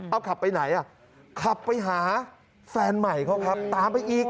เอาขับไปไหนอ่ะขับไปหาแฟนใหม่เขาครับตามไปอีก